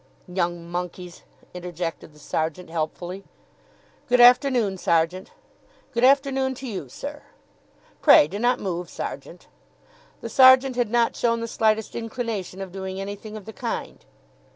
"Young monkeys!" interjected the sergeant helpfully. "Good afternoon, sergeant." "Good afternoon to you, sir." "Pray do not move, sergeant." The sergeant had not shown the slightest inclination of doing anything of the kind.